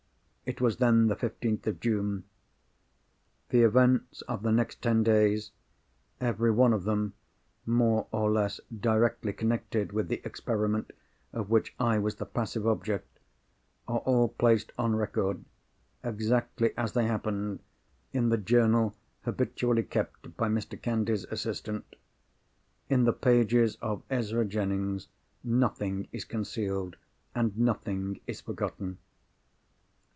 It was then the fifteenth of June. The events of the next ten days—everyone of them more or less directly connected with the experiment of which I was the passive object—are all placed on record, exactly as they happened, in the Journal habitually kept by Mr. Candy's assistant. In the pages of Ezra Jennings nothing is concealed, and nothing is forgotten.